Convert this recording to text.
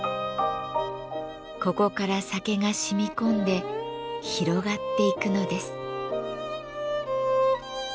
ここから酒が染み込んで広がっていくのです。